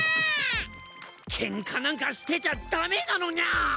ケンカなんかしてちゃダメなのニャ！